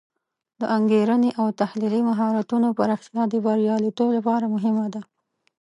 د انګیرنې او تحلیلي مهارتونو پراختیا د بریالیتوب لپاره مهمه ده.